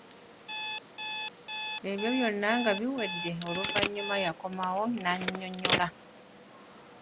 Ebyo byonna nga biwedde, oluvannyuma yakomawo n'annyonnyola.